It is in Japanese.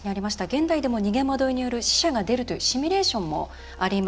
現代でも逃げ惑いによる死者が出るというシミュレーションもあります。